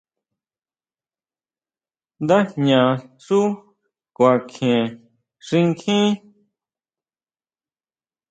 Ndajña xú kuakjien xinkjín.